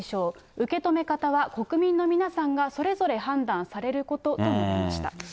受け止め方は国民の皆さんがそれぞれ判断されることと述べました。